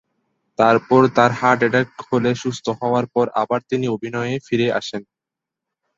তারপর তার heart attack হলে সুস্থ হওয়ার পর আবার তিনি অভিনয়ে ফিরে আসেন।